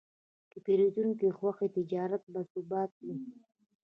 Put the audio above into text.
که پیرودونکی خوښ وي، تجارت باثباته وي.